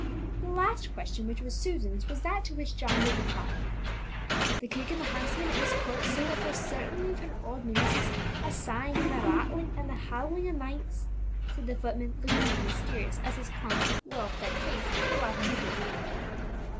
The last question, which was Susan's, was that to which John gave reply. "The cook and the housemaid at Myst Court say that for certain they've heard odd noises, a sighing, and a rattling, and a howling o' nights," said the footman, looking as mysterious as his plump, well fed face would allow him to do.